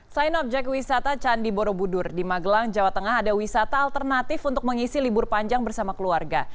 selain objek wisata candi borobudur di magelang jawa tengah ada wisata alternatif untuk mengisi libur panjang bersama keluarga